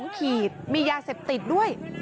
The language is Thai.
ขีดมียาเสพติดด้วย